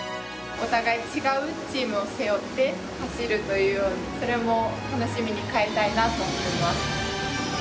お互い違うチームを背負って走る、それも楽しみに変えたいなと思っています。